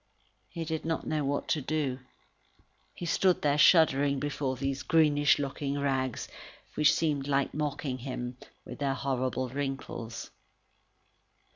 He did not know what to do. He stood there shuddering before those greenish looking rags, which seemed like mocking him, with their horrible wrinkles.